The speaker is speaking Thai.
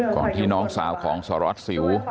ก่อนที่น้องสาวของสหรัฐสิว